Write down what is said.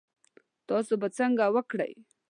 تاسو به څنګه وکړی؟